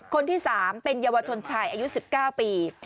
คนที่๓เป็นเยาวชนชายอายุ๑๙ปี